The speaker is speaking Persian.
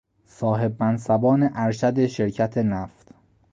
صاحب منصبان ارشد شرکت نفت